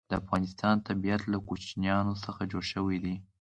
د افغانستان طبیعت له کوچیان څخه جوړ شوی دی.